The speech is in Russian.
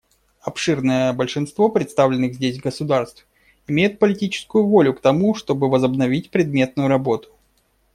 Обширное большинство представленных здесь государств имеют политическую волю к тому, чтобы возобновить предметную работу.